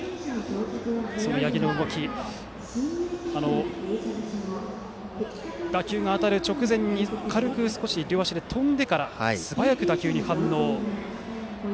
その八木の動き打球が当たる直前に軽く、少し両足で跳んでから、素早く打球に反応して。